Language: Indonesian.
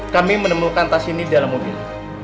kami menemukan tas ini di dalam mobil